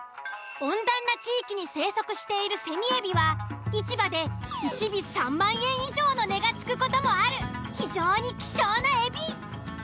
温暖な地域に生息しているセミエビは市場で一尾３万円以上の値が付く事もある非常に希少なエビ。